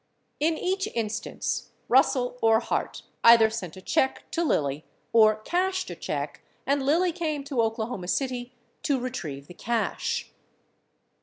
23 In each instance, Russell or Hart either sent a check to Lilly or cashed a check and Lilly came to Oklahoma City to retrieve the cash.